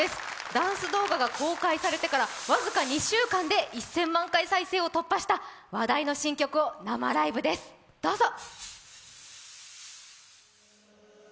ダンス動画が公開されてから僅か２週間で１０００万回再生を突破した話題の新曲を生ライブです、どうぞ！